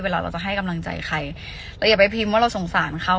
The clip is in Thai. เวลาเราจะให้กำลังใจใครเราอย่าไปพิมพ์ว่าเราสงสารเขา